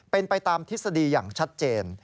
เป็นไปตามทฤษฎีอย่างชัดเจน